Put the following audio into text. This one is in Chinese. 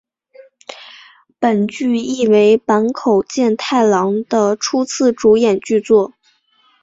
本剧亦为坂口健太郎的初次主演剧作。